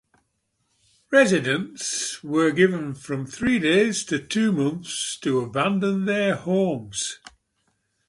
Residents were given from three days to two months to abandon their homes.